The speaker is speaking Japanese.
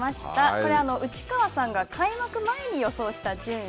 これは内川さんが開幕前に予想した順位。